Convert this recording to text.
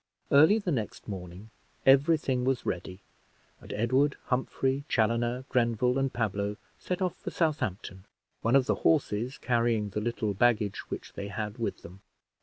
Early the next morning every thing was ready, and Edward, Humphrey, Chaloner, Grenville, and Pablo set off for Southampton, one of the horses carrying the little baggage which they had with them.